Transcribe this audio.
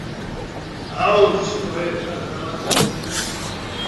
Аурыс поет, адраматург.